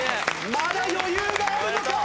まだ余裕があるのか！？